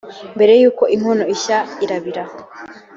mbere y’uko inkono ishya, irabira.